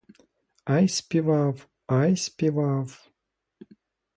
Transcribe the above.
Ай співав, ай співав!